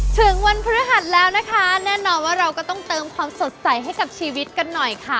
ถึงวันพฤหัสแล้วนะคะแน่นอนว่าเราก็ต้องเติมความสดใสให้กับชีวิตกันหน่อยค่ะ